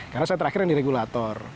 karena saya terakhir yang di regulator